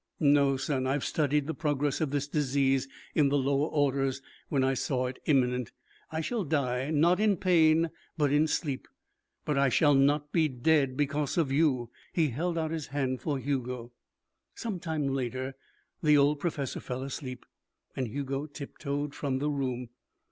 "No, son. I've studied the progress of this disease in the lower orders when I saw it imminent. I shall die not in pain, but in sleep. But I shall not be dead because of you." He held out his hand for Hugo. Some time later the old professor fell asleep and Hugo tiptoed from the room.